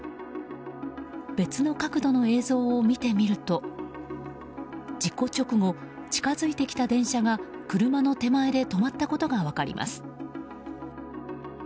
別の角度の映像を見てみると事故直後、近づいてきた電車が車の手前で止まったことが分かります。